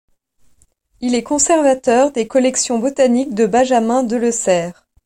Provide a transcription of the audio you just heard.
Il est conservateur des collections botaniques de Benjamin Delessert.